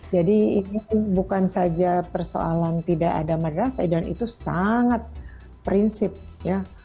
ini bukan saja persoalan tidak ada madrasah dan itu sangat prinsip ya